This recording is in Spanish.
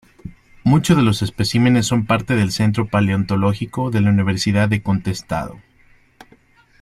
Muchos de los especímenes son parte del "Centro Paleontológico" de la Universidade do Contestado.